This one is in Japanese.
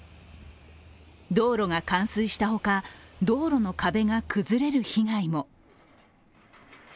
道路が冠水したほか、道路の壁が崩れる被害も。